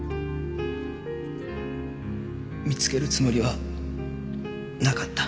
見つけるつもりはなかった。